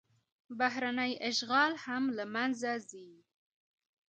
بهرنی اشغال هم له منځه ځي.